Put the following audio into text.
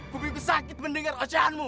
kupikus sakit mendengar ocahanmu